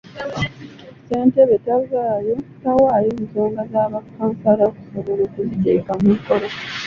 Ssentebe tawaayo nsonga za ba kkansala okusobola okuziteeka mu nkola.